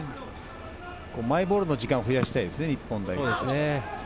マイボールの時間を増やしたいですね、日本代表は。